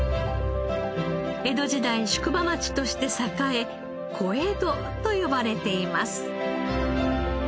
江戸時代宿場町として栄え小江戸と呼ばれています。